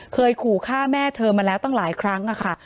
เคยขู่ฆ่าแม่เธอมาแล้วตั้งหลายครั้งค่ะ